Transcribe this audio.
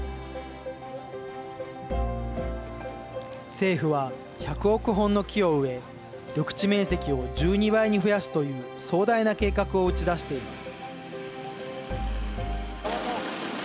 政府は、１００億本の木を植え緑地面積を１２倍に増やすという壮大な計画を打ち出しています。